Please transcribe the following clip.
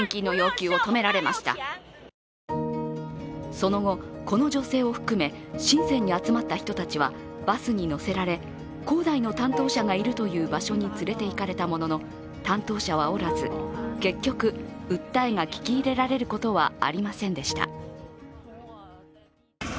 その後、この女性を含め深センに集まった人たちはバスに乗せられ恒大の担当者がいるという場所が連れていかれたものの担当者はおらず、結局、訴えが聞き入れられることはありませんでした。